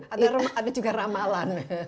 ada rumah ada juga ramalan